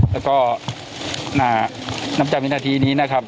แล้วก็นับจากวินาทีนี้นะครับ